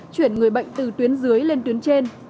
chuyển người bệnh từ tuyến dưới lên tuyến trên